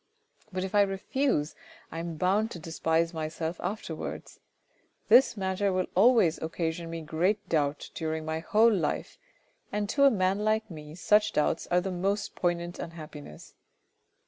" But if I refuse, I am bound to despise myself afterwards. This matter will always occasion me great doubt during my whole life, and to a man like me such doubts are the most poignant unhappiness.